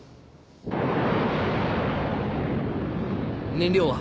燃料は？